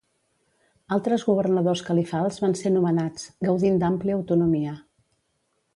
Altres governadors califals van ser nomenats, gaudint d'àmplia autonomia.